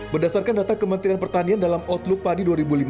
berdasarkan data kementerian pertanian dalam outlook padi dua ribu lima belas